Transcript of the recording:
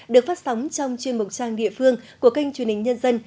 được phát sóng trong chuyên mục trang địa phương của kênh chương trình nhân dân